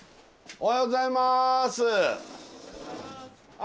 おはようございます。